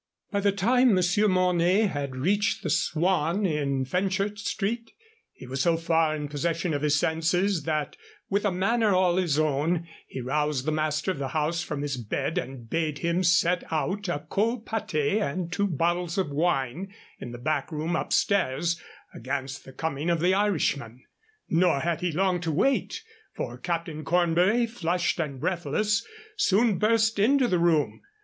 By the time Monsieur Mornay had reached the Swan in Fenchurch Street, he was so far in possession of his senses that, with a manner all his own, he roused the master of the house from his bed and bade him set out a cold pâté and two bottles of wine in the back room upstairs against the coming of the Irishman. Nor had he long to wait, for Captain Cornbury, flushed and breathless, soon burst into the room.